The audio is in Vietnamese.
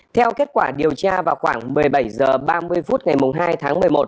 theo kết quả điều tra vào khoảng một mươi bảy h ba mươi phút ngày hai tháng một mươi một